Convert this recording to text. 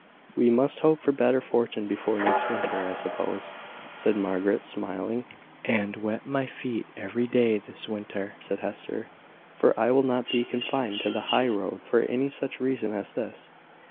"We must hope for better fortune before next winter, I suppose," said Margaret, smiling. "And wet my feet every day this winter," said Hester; "for I will not be confined to the high road for any such reason as this."